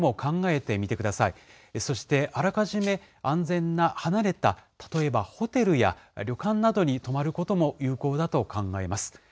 そして、あらかじめ安全な離れた、例えば、ホテルや旅館などに泊まることも有効だと考えます。